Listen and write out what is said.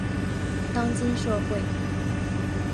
当今社会